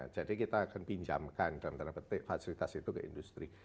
jadi kita akan pinjamkan dalam tanda petik fasilitas itu ke industri